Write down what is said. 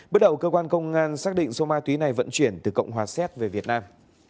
bước đầu cơ quan công an xác định số ma túy này vận chuyển từ cộng hòa xét về việt nam